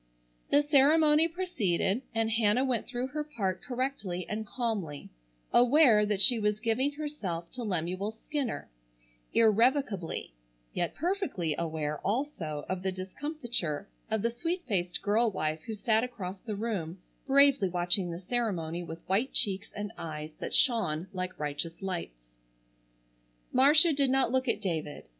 The ceremony proceeded, and Hannah went through her part correctly and calmly, aware that she was giving herself to Lemuel Skinner irrevocably, yet perfectly aware also of the discomfiture of the sweet faced girl wife who sat across the room bravely watching the ceremony with white cheeks and eyes that shone like righteous lights. Marcia did not look at David.